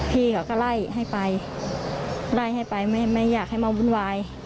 พี่เขาก็ไล่ให้ไปไล่ให้ไปไม่อยากให้มาวุ่นวาย